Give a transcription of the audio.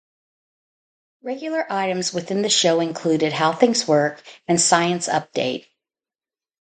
Regular items within the show included "How Things Work" and "Science Update".